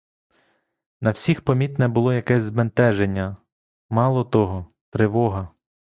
На всіх помітне було якесь збентеження, мало того — тривога.